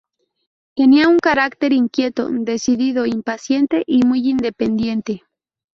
Tenía un carácter inquieto, decidido, impaciente y muy independiente.